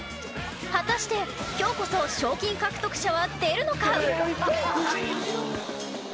果たして、今日こそ賞金獲得者は出るのか？